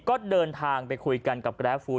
ก็เดินทางไปคุยกันกับแกรฟู้